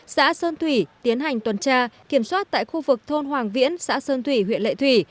xã sơn thủy tiến hành tuần tra kiểm soát tại khu vực thôn hoàng viễn xã sơn thủy huyện lệ thủy